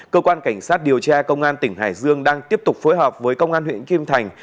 cơ quan cảnh sát điều tra công an tỉnh hải dương đang tiếp tục phối hợp với công an huyện kim thành